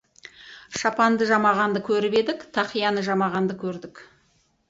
Шапанды жамағанды көріп едік, тақияны жамағанды көрдік.